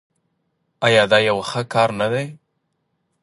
آیا دا یو ښه کار نه دی؟